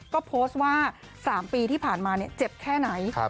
ก็โพสต์ว่า๓ปีที่ผ่านมาเจ็บแค่ไหน